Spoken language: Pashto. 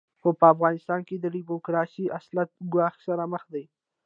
خو په افغانستان کې د ډیموکراسۍ اصالت ګواښ سره مخ دی.